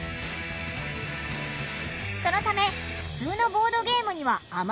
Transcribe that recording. そのためふつうのボードゲームにはあまりない仕掛けが。